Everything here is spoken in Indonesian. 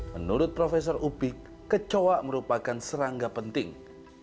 menurut prof upik kecoa merupakan serangga penting